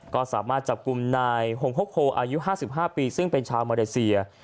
ก็สามารถจับกลุ่มนายฮงโฮกโฮอายุ๕๕ปีซึ่งเป็นชาวมาเลเซีย